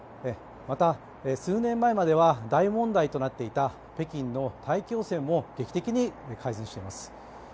また、数年前までは大問題となっていた北京の大気汚染も劇的に改善しています。